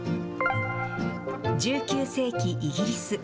１９世紀、イギリス。